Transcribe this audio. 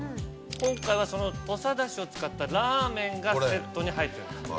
今回はその土佐だしを使ったラーメンがセットに入ってます。